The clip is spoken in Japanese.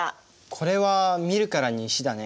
これは見るからに石だね。